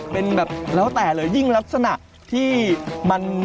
เป็นแบบแล้วแต่เลยยิ่งลักษณะที่มัน